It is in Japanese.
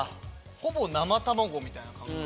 ほぼ生卵みたいな感じ